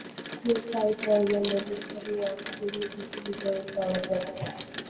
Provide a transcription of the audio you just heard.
জাতীয় pipe organ রেজিস্টারে এই অঙ্গটির একটি নির্দিষ্ট বিবরণ পাওয়া যায়।